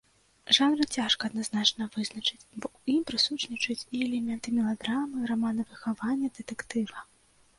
Жанр цяжка адназначна вызначыць, бо ў ім прысутнічаюць і элементы меладрамы, рамана выхавання, дэтэктыва.